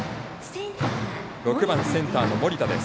６番センターの森田です。